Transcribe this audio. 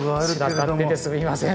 散らかっててすみません。